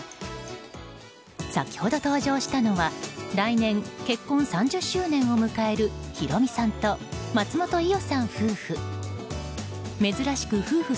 先ほど登場したのは来年、結婚３０周年を迎えるヒロミさんと松本伊代さん夫婦。